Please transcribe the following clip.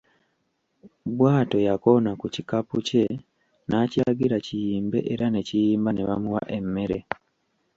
Bwatyo yakoona ku kikapu kye nakiragira kiyimbe era ne kiyimba ne bamuwa emmere.